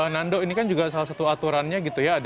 nando ini kan juga salah satu aturannya